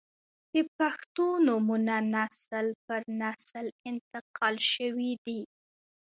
• د پښتو نومونه نسل پر نسل انتقال شوي دي.